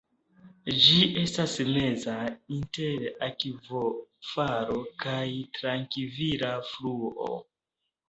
Ĝi estas meza inter akvofalo kaj trankvila fluo.